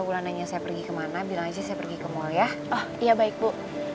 bulananya saya pergi ke mana bilang aja saya pergi ke mall ya oh iya baik bu